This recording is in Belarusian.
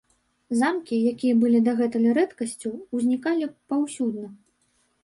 Замкі, якія былі дагэтуль рэдкасцю, узнікалі паўсюдна.